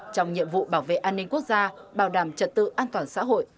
trong nhiệm vụ bảo vệ an ninh quốc gia bảo đảm trật tự an toàn xã hội